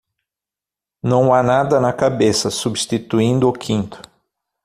Não há nada na cabeça, substituindo o quinto.